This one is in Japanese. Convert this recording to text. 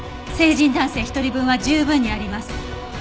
成人男性１人分は十分にあります。